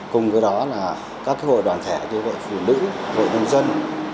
cùng với đó là các hội đoàn thể cho vợ phụ nữ vợ nông dân